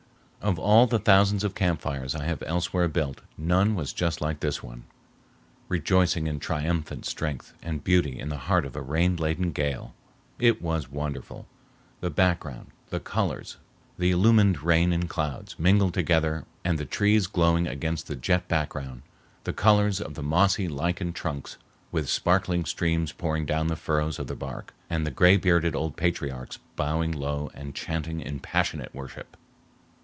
Of all the thousands of camp fires I have elsewhere built none was just like this one, rejoicing in triumphant strength and beauty in the heart of the rain laden gale. It was wonderful,—the illumined rain and clouds mingled together and the trees glowing against the jet background, the colors of the mossy, lichened trunks with sparkling streams pouring down the furrows of the bark, and the gray bearded old patriarchs bowing low and chanting in passionate worship!